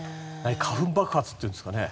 花粉爆発っていうんですかね。